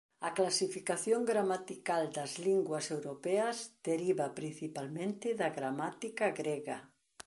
A clasificación gramatical das linguas europeas deriva principalmente da gramática grega.